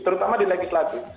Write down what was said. terutama di legislatif